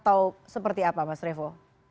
atau seperti apa mas revo